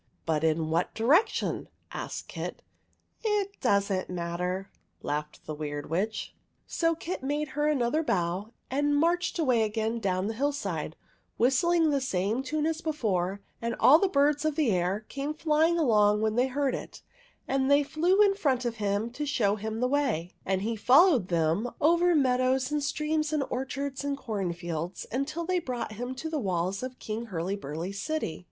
" But in what direction ?" asked Kit. " It does n't matter," laughed the Weird Witch. So Kit made her another bow and marched away again down the hill side, whistling the same tune as before ; and all the birds of the air came flying along when they heard it, 8 THE WEIRD WITCH and they flew in front of him to show him the way, and he followed them over mead ows and streams and orchards and cornfields, until they brought him to the walls of King Hurlyburly's city.